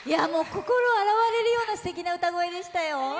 心洗われるようなすてきな歌声でした。